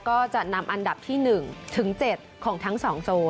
ก็จะนำอันดับที่๑ถึง๗ของทั้ง๒โซน